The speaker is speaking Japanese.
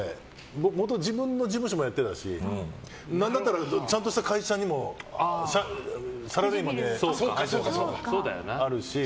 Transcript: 自分の事務所もやってるし何だったらちゃんとした会社にもサラリーマンでやってことがあるし。